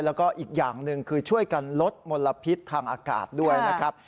แล้วก็อีกอย่างหนึ่งคือช่วยกันลดมลพิษทางอากาศด้วยนะครับ